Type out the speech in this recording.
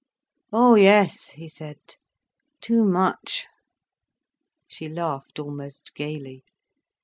"Oh yes," he said; "too much." She laughed almost gaily.